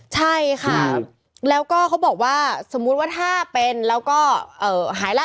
ใช่ค่ะแล้วก็เขาบอกว่าสมมุติว่าถ้าเป็นแล้วก็หายละ